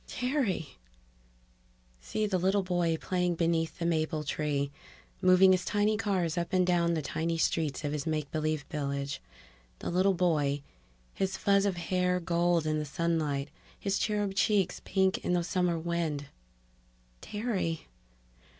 _ Terry! See the little boy playing beneath the maple tree, moving his tiny cars up and down the tiny streets of his make believe village; the little boy, his fuzz of hair gold in the sunlight, his cherub cheeks pink in the summer wind _Terry!